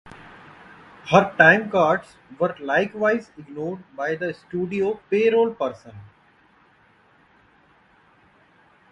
Her time cards were likewise ignored by the studio payroll person.